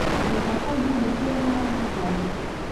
د جعفری ګل د څه لپاره وکاروم؟